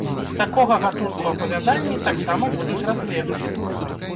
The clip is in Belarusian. Такога гатунку апавяданні таксама будуць разгледжаны.